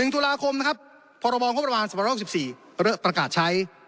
๑ธุระคมนะครับพบขประมาณ๑๖๔ประกาศใช้